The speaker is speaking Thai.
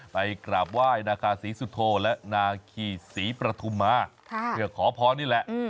ไปกราบไหว้นาคาศรีสุโธและนาคีศรีประทุมมาเพื่อขอพรนี่แหละ